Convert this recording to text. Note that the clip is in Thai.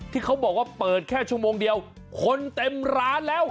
ที่เขาบอกว่าเปิดแค่ชั่วโมงเดียวคนเต็มร้านแล้ว